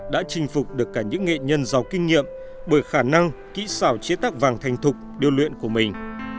đã chinh phục được cả những nghệ nhân giàu kinh nghiệm bởi khả năng kỹ xảo chế tác vàng thành thục điêu luyện của mình